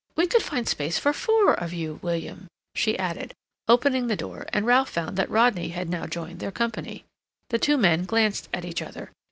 We could find space for FOUR of you, William," she added, opening the door, and Ralph found that Rodney had now joined their company. The two men glanced at each other.